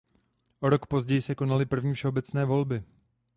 O rok později se konaly první všeobecné volby.